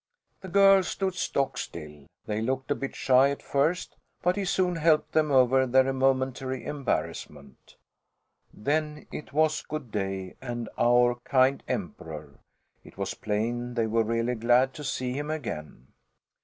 The girls stood stockstill. They looked a bit shy at first, but he soon helped them over their momentary embarrassment. Then it was "good day" and "our kind Emperor." It was plain they were really glad to see him again.